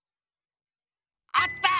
あった！